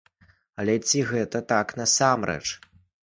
Але ці гэта так насамрэч?